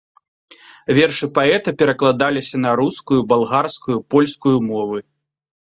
Вершы паэта перакладаліся на рускую, балгарскую, польскую мовы.